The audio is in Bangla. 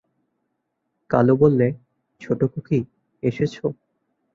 কালু বললে, ছোটোখুকি, এসেছ?